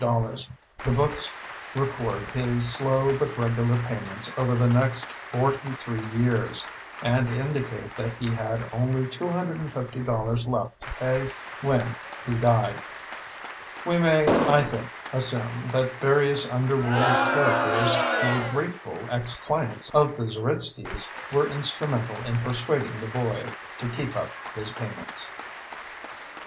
The books record his slow but regular payments over the next 43 years, and indicate that he had only $250 left to pay when he died. We may, I think, assume that various underworld characters who were grateful ex clients of the Zeritskys were instrumental in persuading the boy to keep up his payments.